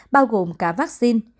bao gồm cả vaccine